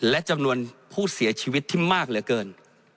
และจำนวนผู้เสียชีวิตที่มากเหลือเกิน